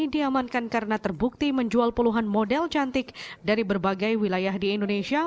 diamankan karena terbukti menjual puluhan model cantik dari berbagai wilayah di indonesia